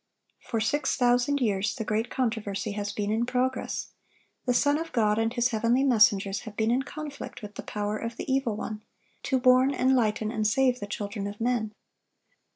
(1135) For six thousand years the great controversy has been in progress; the Son of God and His heavenly messengers have been in conflict with the power of the evil one, to warn, enlighten, and save the children of men.